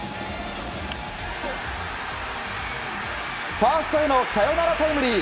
ファーストへのサヨナラタイムリー。